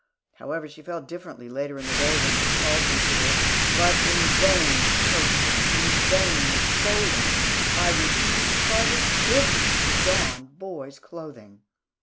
However, she felt differently later in the day when she called me to her. But in vain was coaxing, in vain was scolding, I refused positively to don boy's clothing.